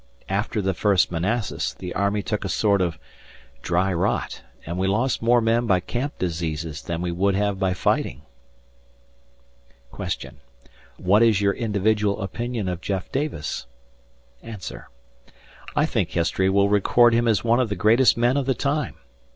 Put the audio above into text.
After the first Manassas the army took a sort of 'dry rot', and we lost more men by camp diseases than we would have by fighting." "What is your individual opinion of Jeff Davis?" "I think history will record him as one of the greatest men of the time.